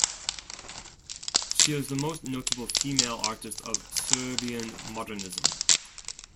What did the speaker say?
She is the most notable female artist of Serbian modernism.